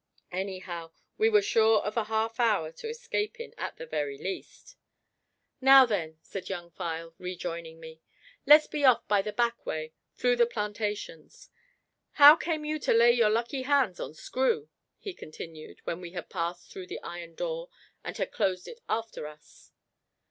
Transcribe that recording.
Anyhow we were sure of a half hour to escape in, at the very least. "Now then," said Young File, rejoining me; "let's be off by the back way through the plantations. How came you to lay your lucky hands on Screw?" he continued, when we had passed through the iron door, and had closed it after us.